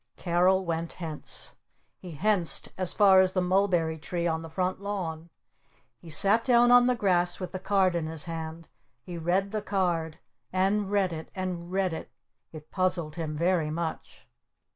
Carol went hence. He henced as far as the Mulberry Tree on the front lawn. He sat down on the grass with the card in his hand. He read the card. And read it. And read it. It puzzled him very much.